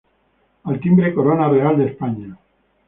Al timbre Corona Real de España".